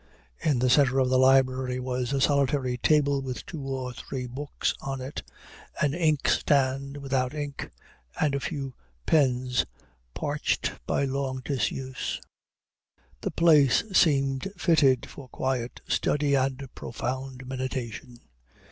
In the center of the library was a solitary table with two or three books on it, an inkstand without ink, and a few pens parched by long disuse. The place seemed fitted for quiet study and profound meditation.